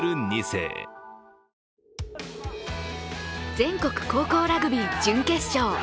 全国高校ラグビー準決勝。